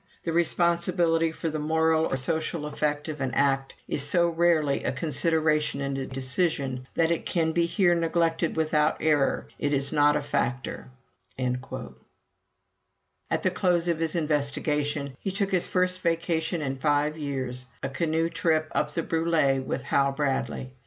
The responsibility for the moral or social effect of an act is so rarely a consideration in a decision, that it can be here neglected without error. It is not a factor." At the close of his investigation, he took his first vacation in five years a canoe trip up the Brulé with Hal Bradley.